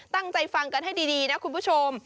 ตั้งใจฟังกันให้ดีนะคุณผู้ชม